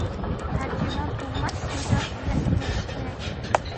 Tarjimon tugʻma isteʼdod egasi boʻlishi kerak.